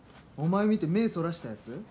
お前見て目そらしたやつ？